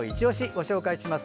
ご紹介します。